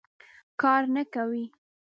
کار نه کوي.